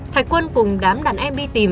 thạch quân cùng đám đàn em đi tìm